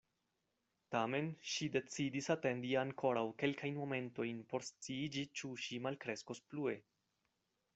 Tamen ŝi decidis atendi ankoraŭ kelkajn momentojn por sciiĝi ĉu ŝi malkreskos plue.